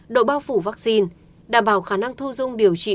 độ bao phủ vaccine đảm bảo khả năng thu dung điều trị